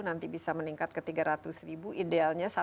nanti bisa meningkat ke tiga ratus ribu idealnya